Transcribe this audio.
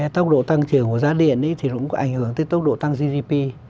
tốc độ tăng trưởng của giá điện thì cũng có ảnh hưởng tới tốc độ tăng gdp